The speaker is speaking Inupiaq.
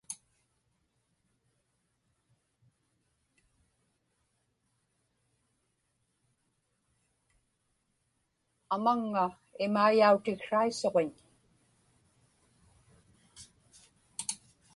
amaŋŋa imaiyautiksraisuġiñ